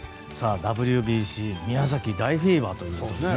ＷＢＣ、宮崎大フィーバーということでね。